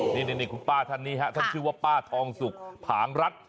นี่คุณป้าท่านนี้ฮะท่านชื่อว่าป้าทองสุกผางรัฐ